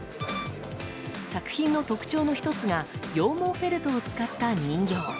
作品の特徴の１つが羊毛フェルトを使った人形。